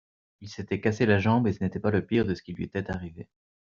Il s'était cassé la jambe et ce n'était pas le pire de ce qui lui été arrivé.